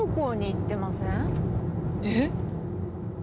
えっ？